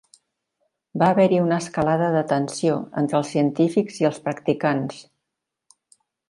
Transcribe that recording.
Va haver-hi una escalada de tensió entre els científics i els practicants.